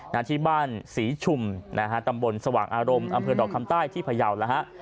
นาฬิบันศรีชุมตำบลสว่างอารมณ์อำเภอดอกคำใต้ที่พยาวนะครับ